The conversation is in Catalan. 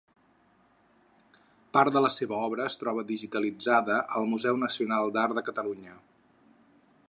Part de la seva obra es troba digitalitzada al Museu Nacional d'Art de Catalunya.